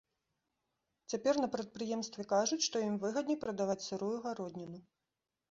Цяпер на прадпрыемстве кажуць, што ім выгадней прадаваць сырую гародніну.